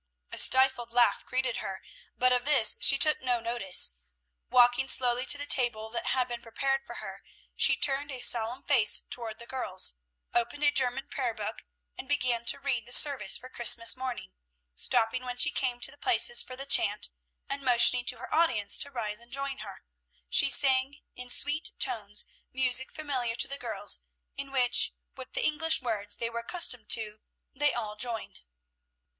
A stifled laugh greeted her, but of this she took no notice; walking slowly to the table that had been prepared for her, she turned a solemn face toward the girls, opened a German prayer book, and began to read the service for Christmas morning, stopping when she came to the places for the chant, and, motioning to her audience to rise and join her, she sang in sweet tones music familiar to the girls, in which, with the English words they were accustomed to, they all joined.